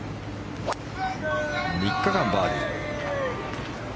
３日間、バーディー。